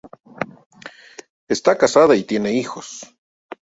Está casada y tiene hijos.